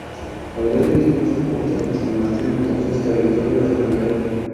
Aurelio tuvo su corte en San Martín, entonces territorio de Langreo.